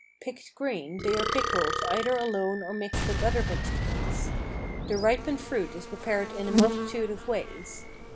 Picked green they are pickled either alone or mixed with other vegetables. The ripened fruit is prepared in a multitude of ways.